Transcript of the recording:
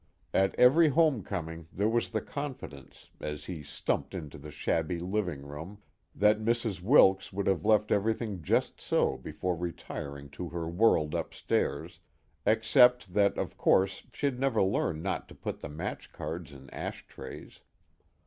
At every homecoming there was the confidence, as he stumped into the shabby living room, that Mrs. Wilks would have left everything just so before retiring to her world upstairs, except that of course she'd never learn not to put match cards in ash trays.